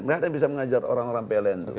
nggak ada yang bisa mengajar orang orang pln